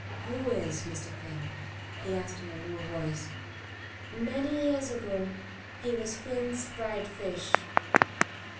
"Who is Mr. Finn?" he asked in a low voice. "Many years ago he was 'Finn's Fried Fish.'